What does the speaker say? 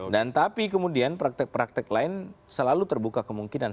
dan tapi kemudian praktek praktek lain selalu terbuka kemungkinan